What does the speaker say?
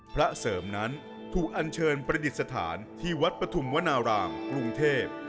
พระเสริมนั้นถูกอันเชิญประดิษฐานที่วัดปฐุมวนารามกรุงเทพ